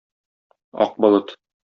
Ак болыт